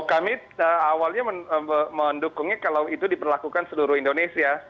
kami awalnya mendukungnya kalau itu diperlakukan seluruh indonesia